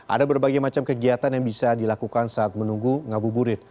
ada berbagai macam kegiatan yang bisa dilakukan saat menunggu ngabuburit